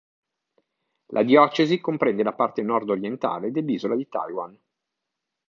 La diocesi comprende la parte nord-orientale dell'isola di Taiwan.